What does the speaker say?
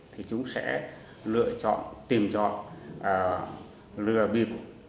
thì chúng sẽ lựa chọn tìm chọn lừa bịp